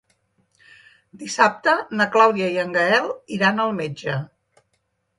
Dissabte na Clàudia i en Gaël iran al metge.